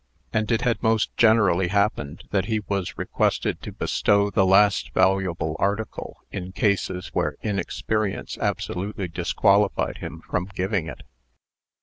And it had most generally happened that he was requested to bestow the last valuable article in cases where inexperience absolutely disqualified him from giving it.